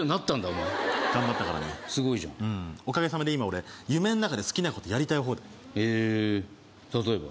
お前頑張ったからねすごいじゃんおかげさまで今俺夢の中で好きなことやりたい放題ええー例えば？